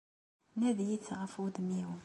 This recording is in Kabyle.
Nadit ɣef wudem-iw!